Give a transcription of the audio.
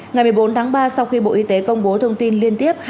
ngày một mươi bốn tháng ba sau khi bộ y tế công bố thông tin liên tiếp